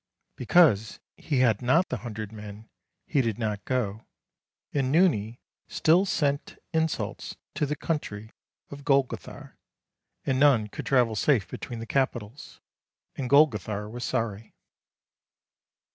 Because he had not the hundred men he did not go, and Nooni still sent insults to the country of Golgo thar, and none could travel safe between the capitals. And Golgothar was sorry.